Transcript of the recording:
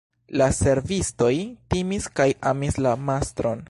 La servistoj timis kaj amis la mastron.